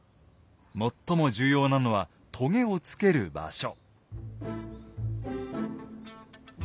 最も重要なのはとげを付ける場所。